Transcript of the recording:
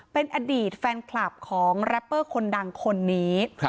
เป็นอดีตแฟนคลับของแรปเปอร์คนดังคนนี้